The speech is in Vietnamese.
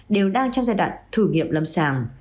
đều đang trong giai đoạn thử nghiệm lâm sàng